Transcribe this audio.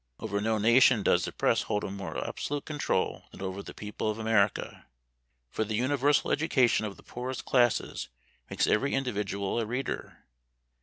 Over no nation does the press hold a more absolute control than over the people of America; for the universal education of the poorest classes makes every individual a reader.